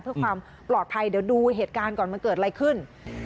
เพื่อความปลอดภัยเดี๋ยวดูเหตุการณ์ก่อนมันเกิดอะไรขึ้น